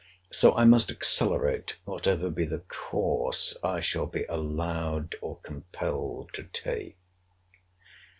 So I must accelerate, whatever be the course I shall be allowed or compelled to take.